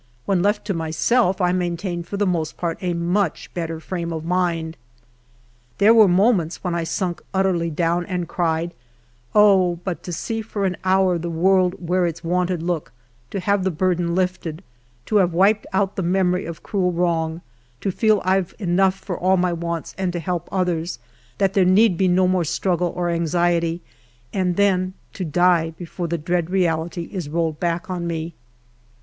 When left to myself I maintained for the most part a much better frame of mind. There were moments when 1 sunk utterly down, and cried, " Oh, but to see for an hour the world wear its wonted look ; to have the burden lifted ; t<) have wiped out the memory of cruel wrong ; to feel I've enough for all my own wants and to help others ; that there need be no more struggle or anxiety; and then to die be fore the dread reality is rolled back on me."